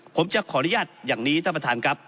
ผมจะขออนุญาตอย่างนี้ท่านประธานครับ